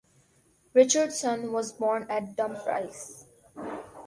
Richardson was born at Dumfries.